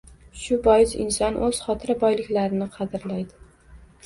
Shu bois, inson o'z xotira boyliklarini qadrlaydi